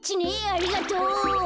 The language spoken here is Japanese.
ありがとう。